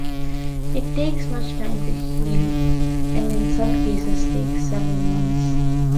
It takes much time to heal and in some cases takes several months.